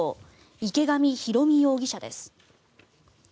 池上ひろみ容疑者です。